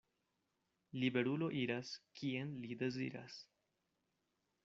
Liberulo iras, kien li deziras.